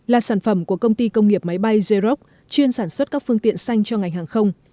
là sản phẩm của công ty công nghiệp máy bay jeroc chuyên sản xuất các phương tiện xanh cho ngành hàng không